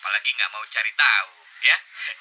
apalagi nggak mau cari tahu ya